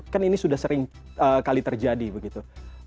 kan ini sudah sering kali terjadi begitu